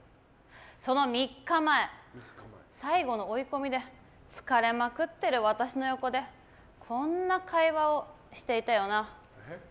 その３日前、最後の追い込みで疲れまくってる私の横でこんな会話をしていたよな。